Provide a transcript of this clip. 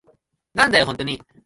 なんだよ、ホントに。